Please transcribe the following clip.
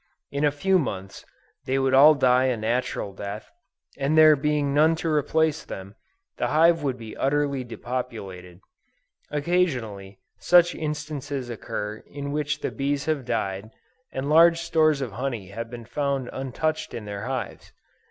In a few months, they would all die a natural death, and there being none to replace them, the hive would be utterly depopulated. Occasionally, such instances occur in which the bees have died, and large stores of honey have been found untouched in their hives.